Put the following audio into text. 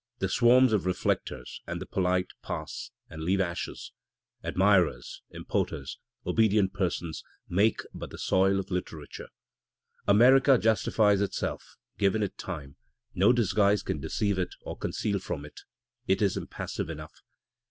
The swarms of reflectors and the polite pass, and leave ashes. Admirers, importers, obedient persons, make but the soil of literature, America justifies itself, give it time, no disguise can deceive it or conceal from it, it is impassive enough.